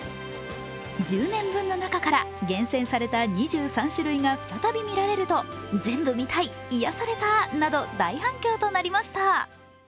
１０年分の中から厳選された２３種類が再び見られると、全部見たい、癒やされたなど大反響となりました。